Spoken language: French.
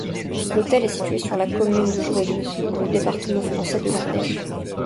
L'hôtel est situé sur la commune de Joyeuse, dans le département français de l'Ardèche.